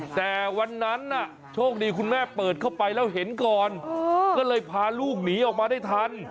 แต่วันนั้นน่ะโชคดีคุณแม่เปิดเข้าไปแล้วเห็นก่อนก็เลยพาลูกหนีออกมาได้ทัน